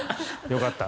よかった